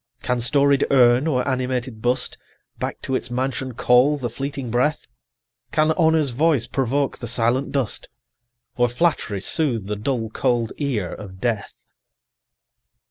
40 Can storied urn or animated bust Back to its mansion call the fleeting breath? Can Honour's voice provoke the silent dust? Or Flattery soothe the dull cold ear of Death?